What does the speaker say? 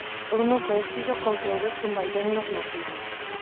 Eu non coincido con que houbese un vaivén normativo.